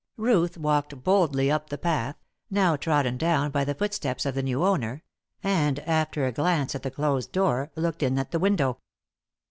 Ruth walked boldly up the path now trodden down by the footsteps of the new owner and after a glance at the closed door, looked in at the window.